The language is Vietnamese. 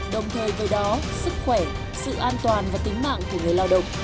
đồng thời với đó sức khỏe sự an toàn và tính mạng của người lao động